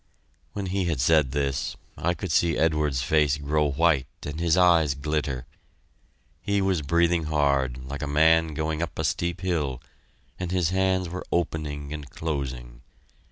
When he said this, I could see Edwards's face grow white and his eyes glitter. He was breathing hard, like a man going up a steep hill, and his hands were opening and closing.